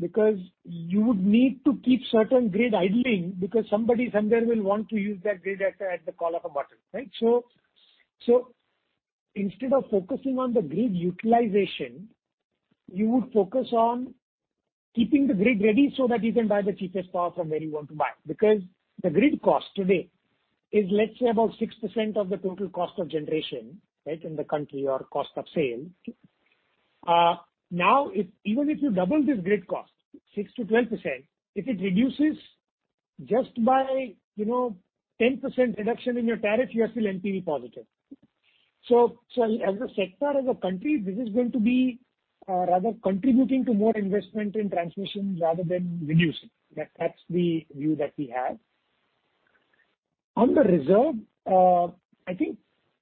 because you would need to keep certain grid idling because somebody somewhere will want to use that grid at the call of a button. Instead of focusing on the grid utilization, you would focus on keeping the grid ready so that you can buy the cheapest power from where you want to buy. The grid cost today is let's say about 6% of the total cost of generation in the country or cost of sale. Okay. Even if you double this grid cost, 6%-12%, if it reduces just by 10% reduction in your tariff, you are still NPV positive. As a sector, as a country, this is going to be rather contributing to more investment in transmission rather than reducing. That's the view that we have. On the reserve, I think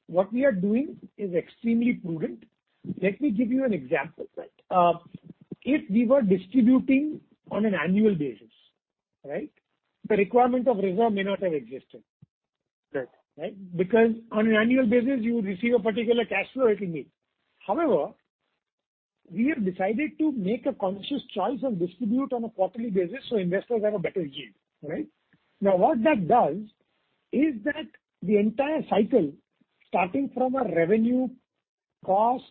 what we are doing is extremely prudent. Let me give you an example. If we were distributing on an annual basis, the requirement of reserve may not have existed. Right. On an annual basis, you receive a particular cash flow, it will meet. However, we have decided to make a conscious choice and distribute on a quarterly basis so investors have a better yield. Now, what that does is that the entire cycle, starting from a revenue, cost,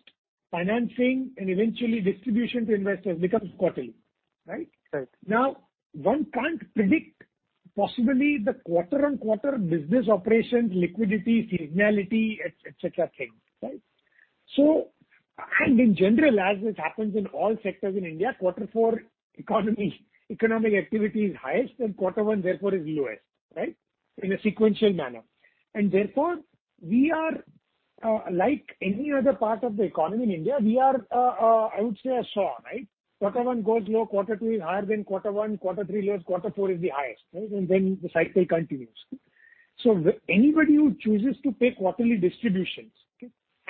financing, and eventually distribution to investors becomes quarterly. Right. One can't predict possibly the quarter-on-quarter business operations, liquidity, seasonality, et cetera things. In general, as this happens in all sectors in India, quarter four economic activity is highest, and quarter one therefore is lowest in a sequential manner. Therefore, we are like any other part of the economy in India, we are, I would say, a saw. Quarter one goes low, quarter two is higher than quarter one, quarter three lows, quarter four is the highest. The cycle continues. Anybody who chooses to take quarterly distributions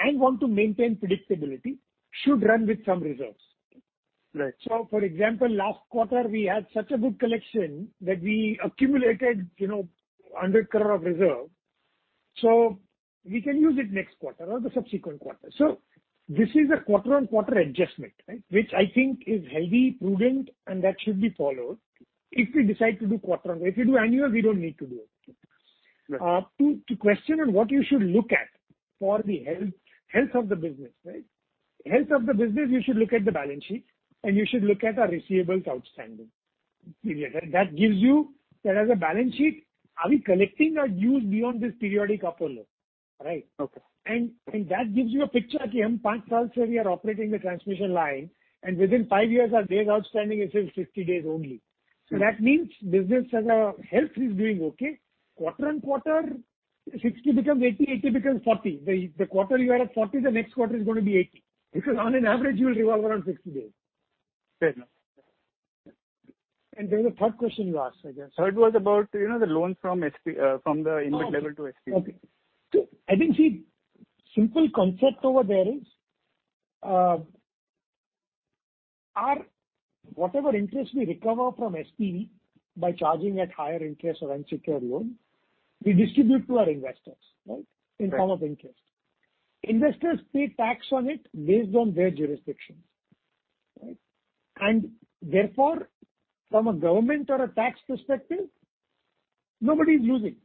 and want to maintain predictability should run with some reserves. Right. For example, last quarter, we had such a good collection that we accumulated INR 100 crore of reserve. We can use it next quarter or the subsequent quarter. This is a quarter on quarter adjustment which I think is healthy, prudent, and that should be followed if we decide to do. If we do annual, we don't need to do it. Right. To question on what you should look at for the health of the business. Health of the business, you should look at the balance sheet. You should look at our receivables outstanding. That gives you that as a balance sheet. Are we collecting our dues beyond this periodic up or low? Okay. That gives you a picture that we are operating the transmission line, within five years, our days outstanding is say 50 days only. That means business as a whole is doing okay. Quarter-on-quarter, 60 becomes 80 becomes 40. The quarter you are at 40, the next quarter is going to be 80. On an average, you will revolve around 60 days. Fair enough. There's a third question you asked, I guess. Third was about the loan from the InvIT level to SPV. Okay. I think, simple concept over there is, our whatever interest we recover from SPV by charging at higher interest or unsecured loan, we distribute to our investors in form of interest. Investors pay tax on it based on their jurisdictions. Therefore, from a government or a tax perspective, nobody's losing.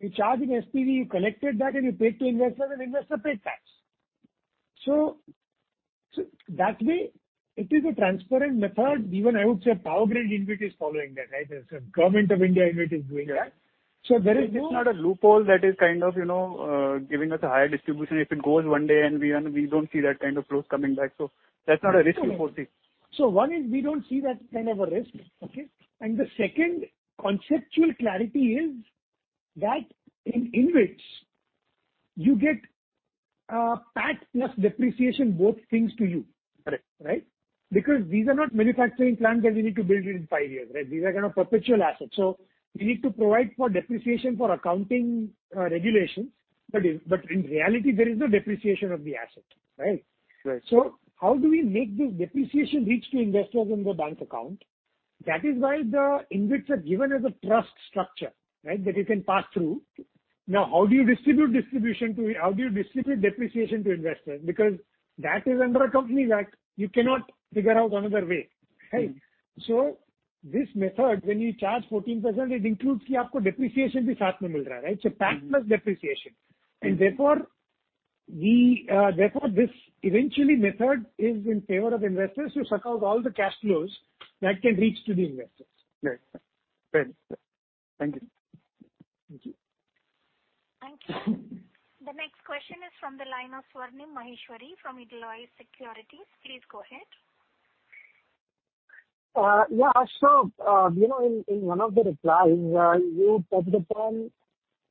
You're charging SPV, you collected that, and you paid to investor, and investor paid tax. That way it is a transparent method. Even I would say POWERGRID InvIT is following that. The Government of India InvIT is doing that. There is no. Is this not a loophole that is giving us a higher distribution if it goes one day and we don't see that kind of growth coming back? That's not a risk we foresee. One is we don't see that kind of a risk, okay? The second conceptual clarity is that in InvITs, you get, PAT plus depreciation, both things to you. Correct. These are not manufacturing plants that you need to build in five years. These are perpetual assets. We need to provide for depreciation for accounting regulations. In reality, there is no depreciation of the asset. Right. How do we make this depreciation reach to investors in their bank account? That is why the InvITs are given as a trust structure that you can pass through. How do you distribute depreciation to investors? Because that is under a company that you cannot figure out another way. This method, when you charge 14%, it includes depreciation. PAT plus depreciation. Therefore, this eventually method is in favor of investors to suck out all the cash flows that can reach to the investors. Right. Thank you. Thank you. Thank you. The next question is from the line of Swarnim Maheshwari from Edelweiss Securities. Please go ahead. Yeah, sure. In one of the replies, you touched upon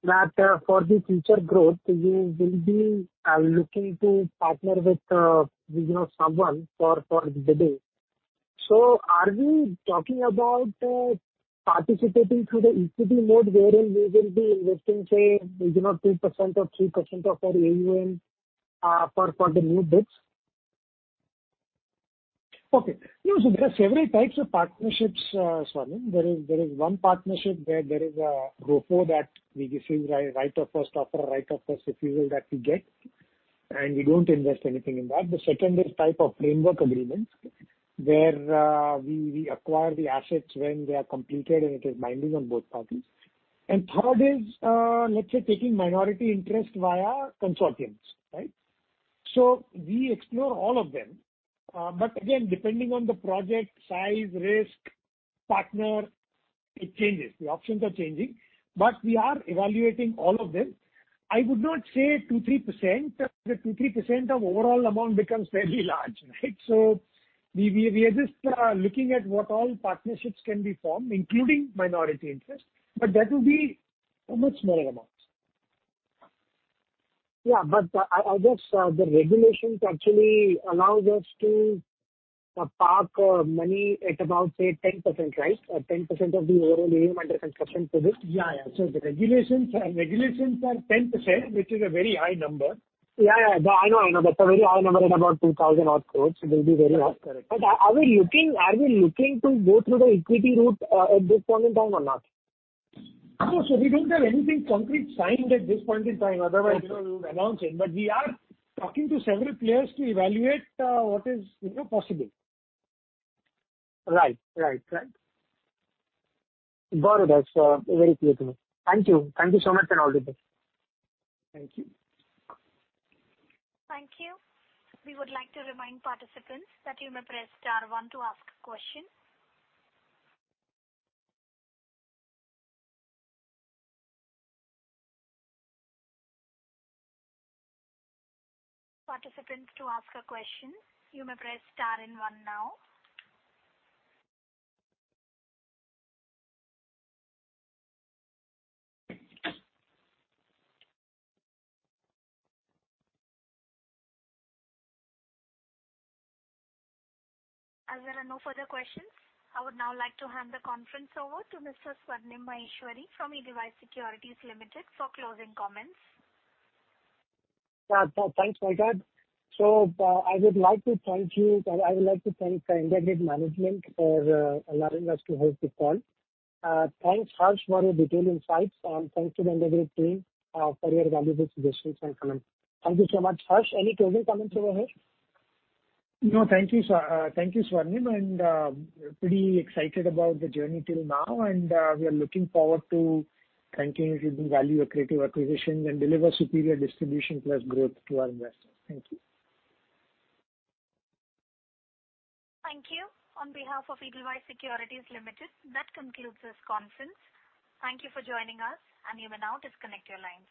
that for the future growth, you will be looking to partner with someone for the bids. Are we talking about participating through the equity mode wherein we will be investing, say, 2% or 3% of our AUM for the new bids? Okay. There are several types of partnerships, Swarnim. There is one partnership where there is a HoldCo that we give right of first offer or right of first refusal that we get. We don't invest anything in that. The second is type of framework agreements where we acquire the assets when they are completed. It is binding on both parties. Third is, let's say, taking minority interest via consortiums, right? We explore all of them. Again, depending on the project, size, risk, partner, it changes. The options are changing. We are evaluating all of them. I would not say 2%, 3%. The 2%, 3% of overall amount becomes fairly large, right? We are just looking at what all partnerships can be formed, including minority interest. That will be a much smaller amount. Yeah, I guess the regulations actually allows us to park money at about, say, 10%, right? 10% of the overall AUM under construction for this. Yeah. The regulations are 10%, which is a very high number. Yeah, I know. That's a very high number at about 2,000 odd crores. It will be very hard to get. Are we looking to go through the equity route at this point in time or not? No, we don't have anything concrete signed at this point in time. Otherwise, we would announce it. We are talking to several players to evaluate what is possible. Right. Got it. That is very clear to me. Thank you. Thank you so much, and all the best. Thank you. Thank you. We would like to remind participants that you may press star one to ask a question. Participants to ask a question, you may press star and one now. As there are no further questions, I would now like to hand the conference over to Mr. Swarnim Maheshwari from Edelweiss Securities Limited for closing comments. Thanks, Mallika. I would like to thank IndiGrid management for allowing us to host this call. Thanks, Harsh, for your detailed insights, and thanks to the IndiGrid team for your valuable suggestions and comments. Thank you so much. Harsh, any closing comments over here? Thank you, Swarnim, and pretty excited about the journey till now, and we are looking forward to continuously giving value accretive acquisitions and deliver superior distribution plus growth to our investors. Thank you. Thank you. On behalf of Edelweiss Securities Limited, that concludes this conference. Thank you for joining us, and you may now disconnect your lines.